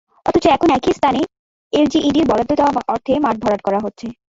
অথচ এখন একই স্থানে এলজিইডির বরাদ্দ দেওয়া অর্থে মাঠ ভরাট করা হচ্ছে।